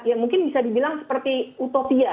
ya mungkin bisa dibilang seperti utopia